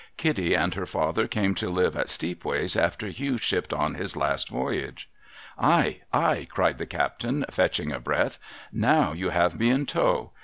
Kitty and her father came to live at Steepways after Hugh shipped on his last voyage.' 'Ay, ay !' cried the captain, fetching a breath. ^ Now you have me in tow.